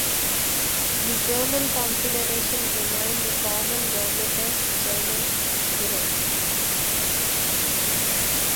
The German Confederation remained the common government of German Europe.